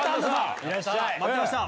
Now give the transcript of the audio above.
待ってました！